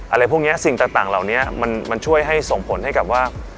อะไรพวกนี้สิ่งต่างเหล่านี้มันช่วยให้ส่งผลให้กับว่า